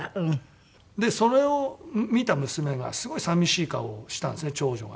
それを見た娘がすごい寂しい顔をしたんですね長女が。